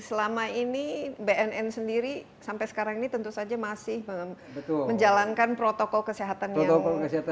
selama ini bnn sendiri sampai sekarang ini tentu saja masih menjalankan protokol kesehatan yang ketat